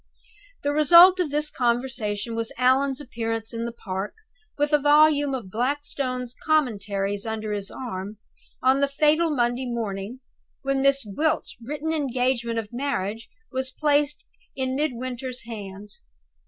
The result of this conversation was Allan's appearance in the park, with a volume of Blackstone's Commentaries under his arm, on the fatal Monday morning, when Miss Gwilt's written engagement of marriage was placed in Midwinter's hands.